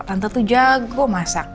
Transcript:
tante tuh jago masak